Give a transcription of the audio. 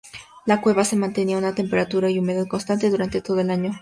La cueva se mantiene a una temperatura y humedad constantes durante todo el año.